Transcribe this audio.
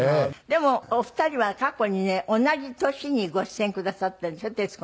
でもお二人は過去にね同じ年にご出演くださってるんですよ